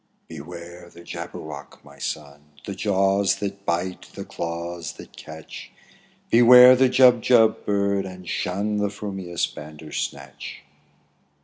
''Beware the Jabberwock, my son! The jaws that bite, the claws that catch! Beware the Jubjub bird, and shun The f rumious Bandersnatch